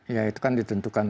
ya itu kan ditentukan